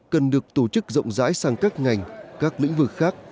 cần được tổ chức rộng rãi sang các ngành các lĩnh vực khác